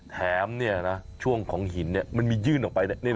แถมเนี่ยนะช่วงของหินมันมียื่นออกไปได้